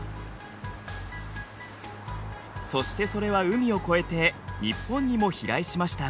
そしてそれは海を越えて日本にも飛来しました。